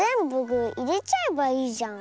「ぐ」いれちゃえばいいじゃん。